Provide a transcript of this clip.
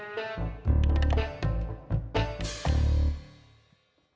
tidak ada yang bisa dikira